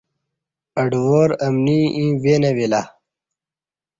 اڈوار امنی ییں وی نہ وی لہ۔